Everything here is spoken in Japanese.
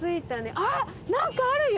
あっなんかあるよ！